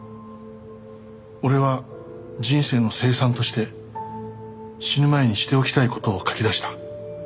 「俺は人生の清算として死ぬ前にしておきたい事を書き出した」